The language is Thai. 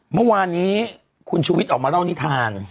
เมื่อวานนี้คุณชูวิทย์ออกมาเล่านิทาน